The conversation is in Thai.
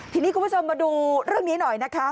ทีนี้คุณผู้ชมมาดูเรื่องนี้หน่อยนะคะ